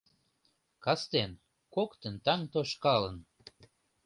Кастен, коктын таҥ тошкалын